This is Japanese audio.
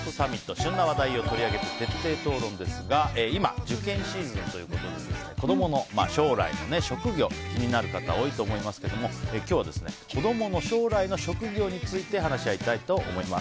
旬な話題を取り上げて徹底討論ですが今、受験シーズンということで子供の将来の職業などが気になる人も多いかもしれませんが今日は、子供の将来の職業について話し合いたいと思います。